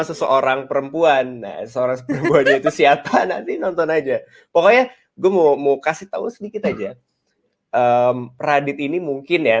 seseorang perempuan nanti nonton aja pokoknya gua mau kasih tau sedikit aja radit ini mungkin ya